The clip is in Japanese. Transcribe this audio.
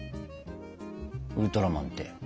ウルトラマンって。